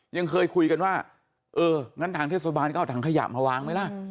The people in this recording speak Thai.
ยังเคยคุยกันว่าเอองั้นทางเทศบาลก็เอาถังขยะมาวางไหมล่ะ